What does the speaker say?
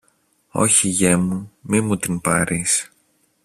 Όχι, γιε μου, μη μου την πάρεις